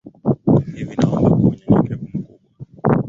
Hivi naomba kwa unyenyekevu mkubwa